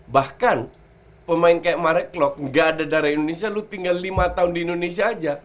bahkan pemain kayak marek klok nggak ada darah indonesia lu tinggal lima tahun di indonesia aja